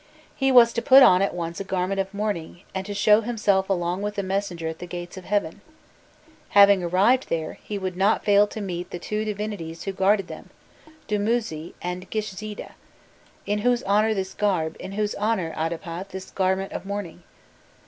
He was to put on at once a garment of mourning, and to show himself along with the messenger at the gates of heaven. Having arrived there, he would not fail to meet the two divinities who guarded them, Dumuzi and Gishzida: "'In whose honour this garb, in whose honour, Adapa, this garment of mourning?